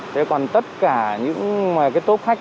thế còn tất cả những cái tốt khách